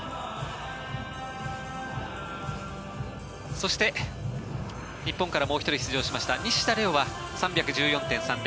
そして日本からもう１人出場しました西田玲雄は３１４．３０